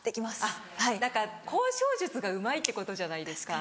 だから交渉術がうまいってことじゃないですか。